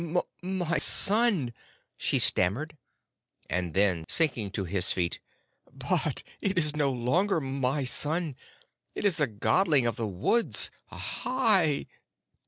"My son," she stammered; and then, sinking to his feet: "But it is no longer my son. It is a Godling of the Woods! Ahai!"